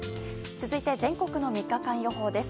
続いて全国の３日間予報です。